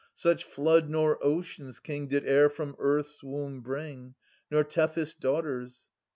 Such flood nor Ocean's King Kd e'er firom earth's womb bring, 310 Nor Tethys' Daughters.